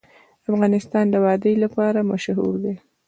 افغانستان د وادي لپاره مشهور دی.